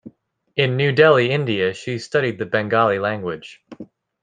In New Delhi, India, she studied the Bengali language.